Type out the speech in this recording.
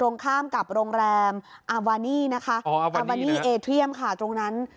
ตรงข้ามกับโรงแรมอาวานี่นะคะอาบานี่เอเทียมค่ะตรงนั้น